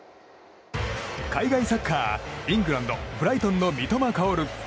海外サッカー、イングランドブライトンの三笘薫。